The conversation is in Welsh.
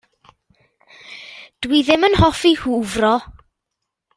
Dw i ddim yn hoffi hwfro.